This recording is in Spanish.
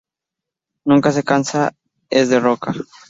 Nunca se cansa: es de roca.